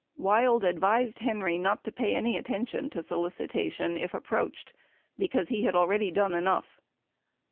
Wild advised Henry not to pay any attention to solicitation if approached because he had already done enough.